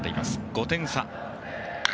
５点差。